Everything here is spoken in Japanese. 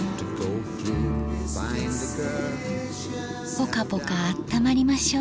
ポカポカあったまりましょう。